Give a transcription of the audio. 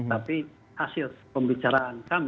tapi hasil pembicaraan kami